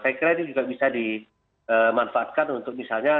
saya kira ini juga bisa dimanfaatkan untuk misalnya